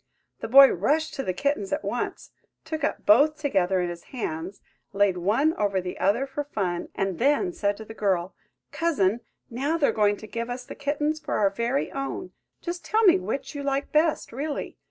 The boy rushed to the kittens at once, took up both together in his hands, laid one over the other for fun, and then said to the girl, "Cousin, now they're going to give us the kittens for our very own, just tell me which you like best, really?